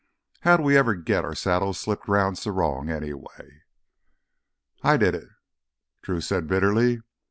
How'd we ever git our saddles slipped 'round so wrong, anyway?" "I did it," Drew said bitterly.